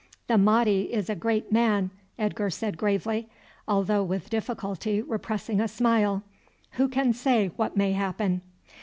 "The Mahdi is a great man!" Edgar said gravely, although with difficulty repressing a smile. "Who can say what may happen?"